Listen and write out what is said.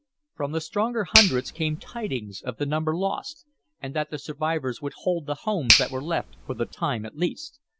From the stronger hundreds came tidings of the number lost, and that the survivors would hold the homes that were left, for the time at least.